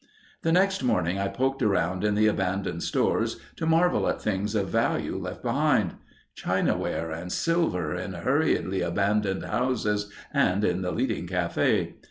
The next morning I poked around in the abandoned stores to marvel at things of value left behind. Chinaware and silver in hurriedly abandoned houses and in the leading cafe.